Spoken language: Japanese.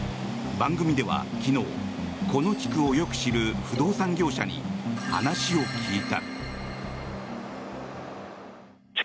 番組では昨日この地区をよく知る不動産業者に話を聞いた。